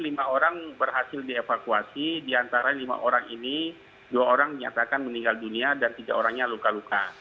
lima orang berhasil dievakuasi diantara lima orang ini dua orang menyatakan meninggal dunia dan tiga orangnya luka luka